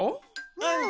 うん。